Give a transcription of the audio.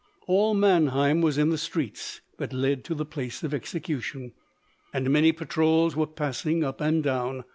All Mannheim was in the streets that led to the place of execution, and many patrols were passing up and down.